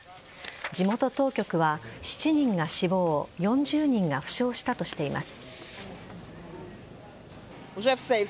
地元当局は、７人が死亡４０人が負傷したとしています。